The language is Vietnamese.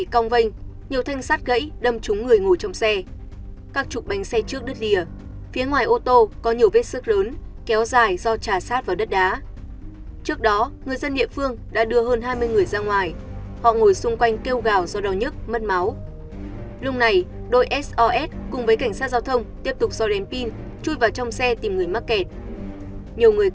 cảm ơn các bạn đã theo dõi và đăng ký kênh của chúng mình